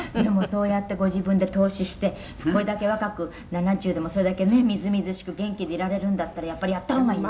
そうやってご自分で投資してこれだけ若く７０でもそれだけねみずみずしく元気でいられるんだったらやっぱりやった方がいい」